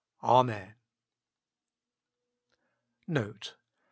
Amen. NOTE.